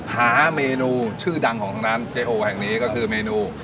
หาเมนูชื่อดังของทางร้านเจ๊โอแห่งนี้ก็คือเมนู